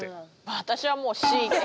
私はもうＣで。